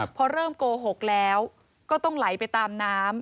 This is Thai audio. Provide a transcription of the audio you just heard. พอเริ่มโกหกแล้วก็ต้องไหลไปตามน้ำ